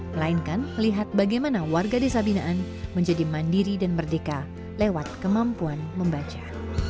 melainkan melihat bagaimana warga desa binaan menjadi mandiri dan merdeka lewat kemampuan membaca